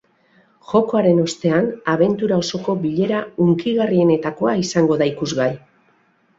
Jokoaren ostean, abentura osoko bilera hunkigarrienetakoa izango da ikusgai.